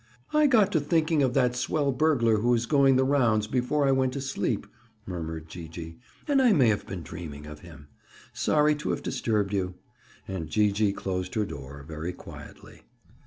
"I got to thinking of that swell burglar who is going the rounds, before I went to sleep," murmured Gee gee, "and I may have been dreaming of him! Sorry to have disturbed you." And Gee gee closed her door very quietly.